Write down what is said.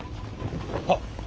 はっ。